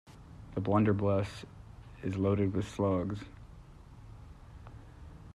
The blunderbuss is loaded with slugs.